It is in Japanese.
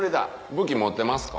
武器持ってますか？